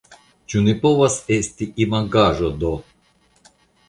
Ĉu ne povas esti imagaĵo do!